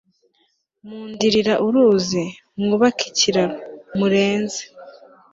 mundirira uruzi, mwubake ikiraro, murenze